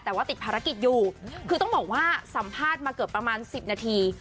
แต่ว่าติดภารกิจอยู่คือต้องบอกว่าสัมภาษณ์มาเกือบประมาณ๑๐นาที